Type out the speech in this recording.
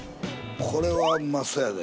これはうまそうやで。